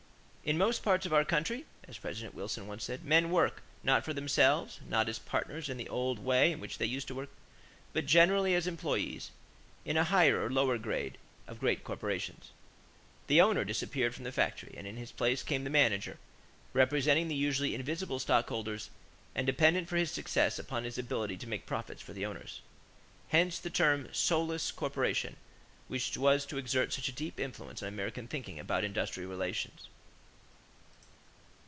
"In most parts of our country," as President Wilson once said, "men work, not for themselves, not as partners in the old way in which they used to work, but generally as employees in a higher or lower grade of great corporations." The owner disappeared from the factory and in his place came the manager, representing the usually invisible stockholders and dependent for his success upon his ability to make profits for the owners. Hence the term "soulless corporation," which was to exert such a deep influence on American thinking about industrial relations.